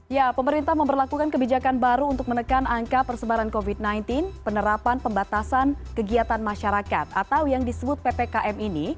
ya pemerintah memperlakukan kebijakan baru untuk menekan angka persebaran covid sembilan belas penerapan pembatasan kegiatan masyarakat atau yang disebut ppkm ini